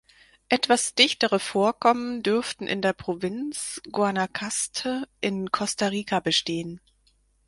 Etwas dichtere Vorkommen dürften in der Provinz Guanacaste in Costa Rica bestehen.